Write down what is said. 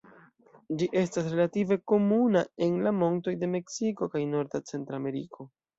Ĝi estas relative komuna en la montoj de Meksiko kaj norda Centrameriko.